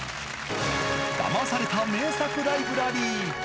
ダマされた名作ライブラリー。